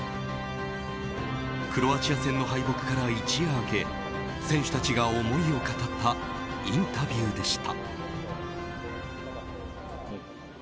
クロアチア戦の敗北から一夜明け選手たちが思いを語ったインタビューでした。